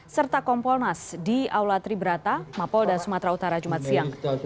serta kompolnas di aula tribrata mapolda sumatera utara jumat siang